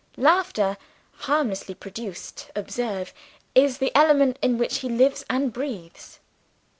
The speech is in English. Laughter (harmlessly produced, observe!) is the element in which he lives and breathes.